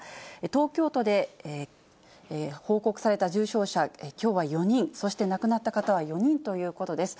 東京都で報告された重症者、きょうは４人、そして亡くなった方は４人ということです。